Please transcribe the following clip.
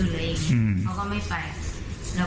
รอบสุดท้ายเขาถือมีดอย่างนี้